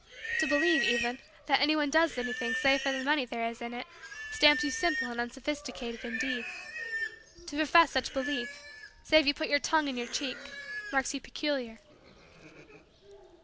To believe, even, that anyone does anything save for the money there is in it stamps you simple and unsophisticated, indeed. To profess such belief, save you put your tongue in your cheek, marks you peculiar.